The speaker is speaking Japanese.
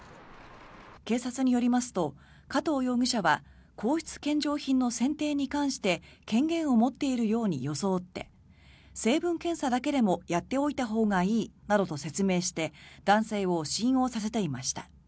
警察によりますと、加藤容疑者は皇室献上品の選定に関して権限を持っているように装って成分検査だけでもやっておいたほうがいいなどと説明して男性を信用させていました。